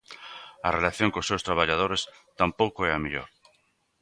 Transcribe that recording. A relación cos seus traballadores tampouco é a mellor.